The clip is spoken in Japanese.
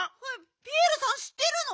ピエールさんしってるの？